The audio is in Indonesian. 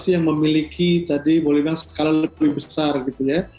yang memiliki tadi boleh dibilang skala lebih besar gitu ya